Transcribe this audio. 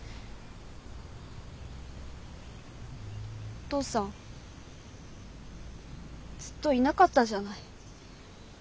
お父さんずっといなかったじゃない。